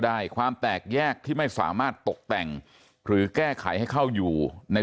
ความแตกแยกที่ไม่สามารถตกแต่งหรือแก้ไขให้เข้าอยู่ใน